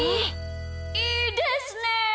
いいですね！